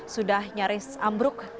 sudah nyaris ambruk